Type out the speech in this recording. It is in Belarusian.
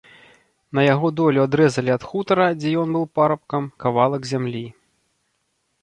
На яго долю адрэзалі ад хутара, дзе ён быў парабкам, кавалак зямлі.